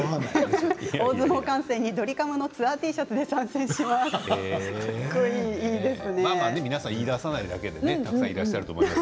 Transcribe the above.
大相撲観戦にドリカムのツアーＴシャツで参戦します。